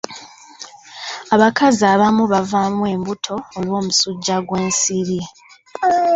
Abakazi abamu bavaamu embuto olw'omusujja gw'ensiri.